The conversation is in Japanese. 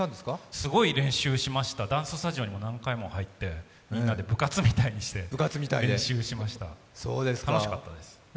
すごい練習しました、ダンススタジオにも何回も入ってみんなで部活みたいにして練習しました、楽しかったです。